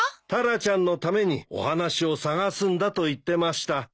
タラちゃんのためにお話を探すんだと言ってました。